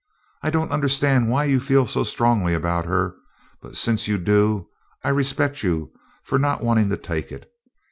I don't understand why you feel so strongly about her, but since you do, I respect you for not wanting to take it.